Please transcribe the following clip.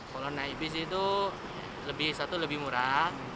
kalau naik bis itu satu lebih murah